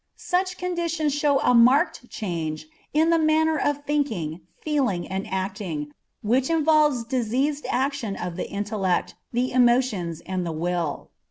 Such conditions show a marked change in the manner of thinking, feeling, and acting, which involves diseased action of the intellect, the emotions, and the will.